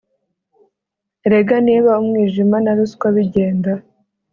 Erega niba umwijima na ruswa bigenda